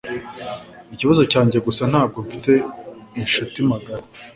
Ikibazo cyanjye gusa ntabwo mfite inshuti magara.